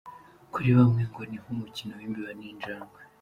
Kuri bamwe ngo ni nk’umukino w’imbeba n’injangwe.